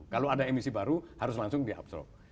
kalau ada emisi baru harus langsung diabsorb